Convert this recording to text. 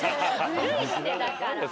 ずるいってだから。